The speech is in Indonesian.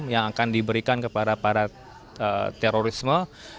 yang akan diberikan kepada para terorisme